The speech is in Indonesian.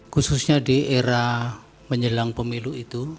khususnya di era menjelang pemilu itu